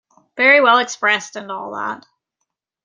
Very well expressed and all that.